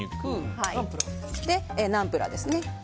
ナンプラーですね。